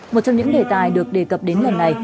một trong những đề tài được đề cập đến lần này